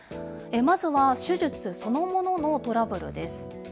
まずは手術そのもののトラブルです。